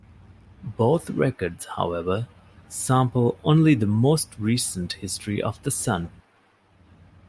Both records, however, sample only the most recent history of the Sun.